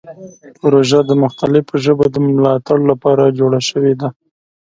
پروژه د مختلفو ژبو د ملاتړ لپاره جوړه شوې ده.